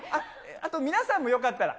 あと皆さんもよかったら。